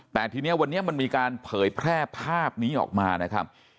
แต่ทีนี้วันนี้มันมีการเผยแพร่ภาพนี้ออกมานะครับ